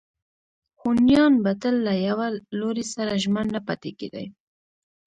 هونیان به تل له یوه لوري سره ژمن نه پاتې کېدل.